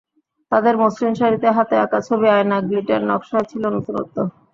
তাঁদের মসলিন শাড়িতে হাতে আঁকা ছবি, আয়না, গ্লিটার নকশায় ছিল নতুনত্ব।